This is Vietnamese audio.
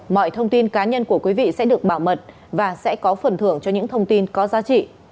mọi thông tin cá nhân của quý vị sẽ được bảo mật và sẽ có phần thưởng cho những thông tin có giá trị